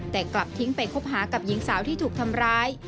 แต่กลับทิ้งไปคบหากับหญิงสาวที่ถูกทำร้าย